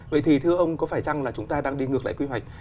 vậy thì thưa ông có phải chăng là chúng ta đang đi ngược lại quy hoạch